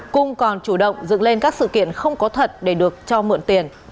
cung còn chủ động dựng lên các sự kiện không có thật để được cho mượn tiền